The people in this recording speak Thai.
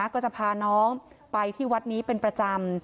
ก็จะพาน้องไปที่วัดนี้เป็นประจำ